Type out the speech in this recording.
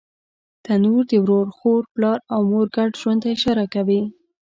تنور د ورور، خور، پلار او مور ګډ ژوند ته اشاره کوي